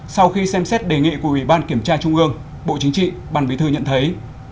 sau khi xem xét đề nghị của ủy ban kiểm tra trung ương bộ chính trị ban bí thư nhận thấy